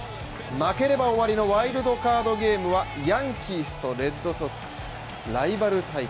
負ければ終わりのワイルドカードゲームはヤンキースとレッドソックスライバル対決